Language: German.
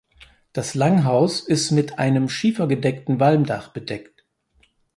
Das Langhaus ist mit einem schiefergedeckten Walmdach bedeckt.